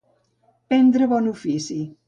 Prendre bon ofici.